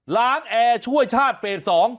แอร์ช่วยชาติเฟส๒